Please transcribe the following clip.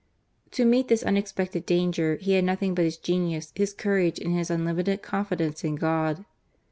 To meet this unexpected danger, he had nothing but his genius, his courage, and his un limited confidence in God.